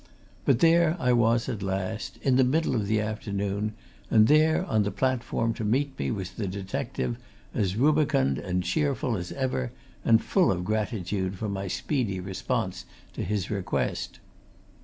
But there I was at last, in the middle of the afternoon, and there, on the platform to meet me was the detective, as rubicund and cheerful as ever, and full of gratitude for my speedy response to his request.